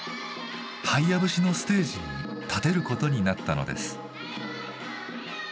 「ハイヤ節」のステージに立てることになったのです。